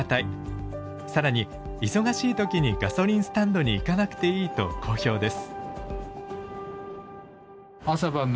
更に忙しい時にガソリンスタンドに行かなくていいと好評です。